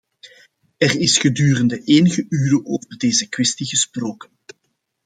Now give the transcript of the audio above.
Er is gedurende enige uren over deze kwestie gesproken.